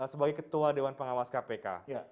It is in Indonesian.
sebagai ketua dewan pengawas kpk